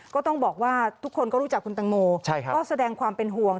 ก็ต้องบอกว่าทุกคนก็รู้จักคุณตังโมก็แสดงความเป็นห่วง